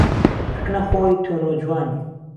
لە کنە خۆی تۆ نۆجوانی